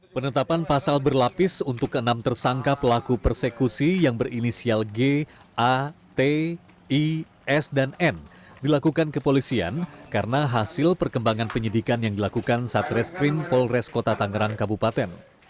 penetapan pasal berlapis untuk keenam tersangka pelaku persekusi yang berinisial g a t is dan n dilakukan kepolisian karena hasil perkembangan penyidikan yang dilakukan satreskrim polres kota tangerang kabupaten